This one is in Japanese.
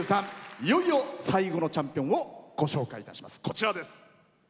いよいよ、最後のチャンピオンのご紹介です。